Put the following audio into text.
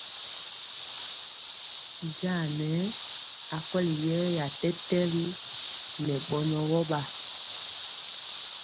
Y jaŋa nɛɛ akweli yeeya tɛtɛgi ŋɛ bɔnɔ wɔ bn.